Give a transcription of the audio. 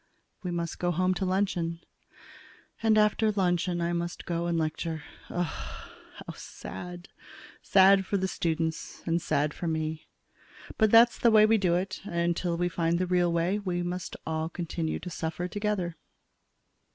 We must go home to luncheon. And after luncheon I must go and lecture Ugh! How sad! sad for the students and sad for me. But that's the way we do it, and until we find the real way, we must all continue to suffer together.